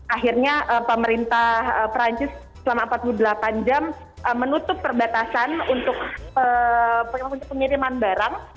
akhirnya pemerintah perancis selama empat puluh delapan jam menutup perbatasan untuk pengiriman barang